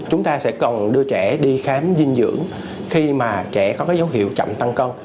chúng ta sẽ cần đưa trẻ đi khám dinh dưỡng khi mà trẻ có dấu hiệu chậm tăng cân